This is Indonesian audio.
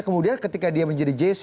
kemudian ketika dia menjadi jc